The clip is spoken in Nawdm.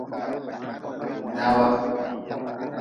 Dawa.